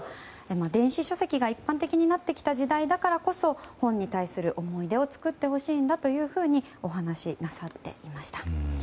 電子書籍が一般的になってきた時代だからこそ本に対する思い出を作ってほしいんだというふうにお話しなさっていました。